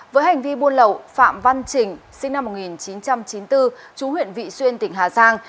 với hành vi buôn lậu phạm văn trình sinh năm một nghìn chín trăm chín mươi bốn chú huyện vị xuyên tỉnh hà giang